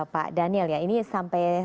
pak daniel ya ini sampai